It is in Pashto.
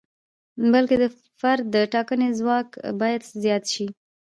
بلکې د فرد د ټاکنې ځواک باید زیات شي.